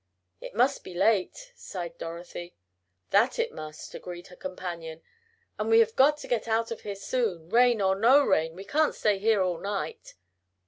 "It must be late!" sighed Dorothy. "That it must!" agreed her companion, "and we have got to get out of here soon. Rain or no rain, we can't stay here all night.